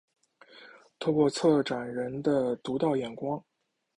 透过策展人的独到眼光